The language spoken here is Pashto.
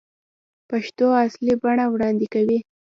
پېښو اصلي بڼه وړاندې کوي.